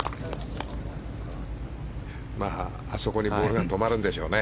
あそこにボールが止まるんでしょうね。